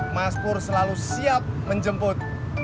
mas pur selalu siap menjemput